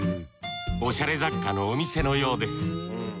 おしゃれ雑貨のお店のようです。